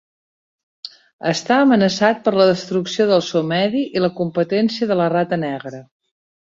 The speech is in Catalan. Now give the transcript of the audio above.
Està amenaçat per la destrucció del seu medi i la competència de la rata negra.